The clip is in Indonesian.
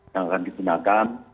yang akan digunakan